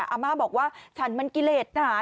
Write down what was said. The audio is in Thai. อาม่าบอกว่าฉันมันกิเลสหนา